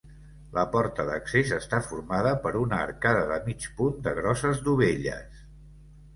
La porta d'accés està formada per una arcada de mig punt de grosses dovelles.